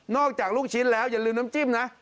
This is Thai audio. อกจากลูกชิ้นแล้วอย่าลืมน้ำจิ้มนะ